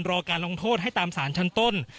รอการลงโทษให้ตามสารชั้นต้น